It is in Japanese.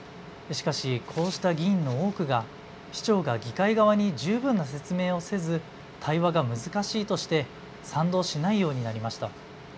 しかし、こうした議員の多くが市長が議会側に十分な説明をせず対話が難しいとして賛同しないようになりました。